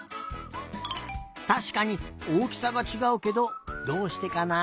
たしかにおおきさがちがうけどどうしてかな？